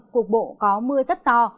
cuộc bộ có mưa rất to